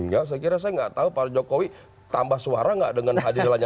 ya saya kira saya gak tau pak jokowi tambah suara gak dengan hadirannya